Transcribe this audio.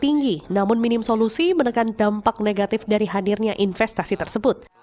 tinggi namun minim solusi menekan dampak negatif dari hadirnya investasi tersebut